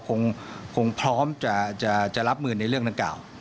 คงพร้อมจะรับมือในเรื่องดังกล่าว